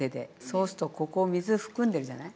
そうするとここ水含んでるじゃない？